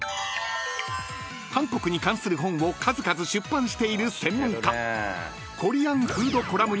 ［韓国に関する本を数々出版している専門家］